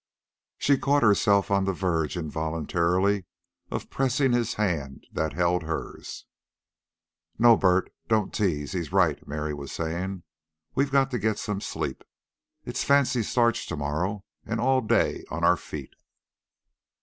She caught herself on the verge involuntarily of pressing his hand that held hers. "No, Bert, don't tease; he's right," Mary was saying. "We've got to get some sleep. It's fancy starch to morrow, and all day on our feet."